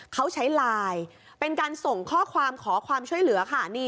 เขาใช้ไลน์เป็นการส่งข้อความขอความช่วยเหลือค่ะ